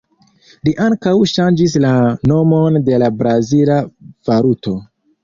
Li ankaŭ ŝanĝis la nomon de la brazila valuto.